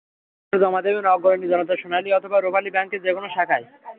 Pay order জমা দেবেন অগ্রণী, জনতা, সোনালী অথবা রূপালী ব্যাংকের যেকোনো শাখায়।